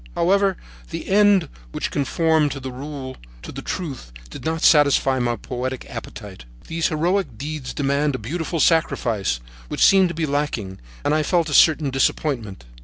However, the end which conformed to the rule, to the truth, did not satisfy my poetic appetite. These heroic deeds demand a beautiful sacrifice, which seemed to be lacking, and I felt a certain disappointment.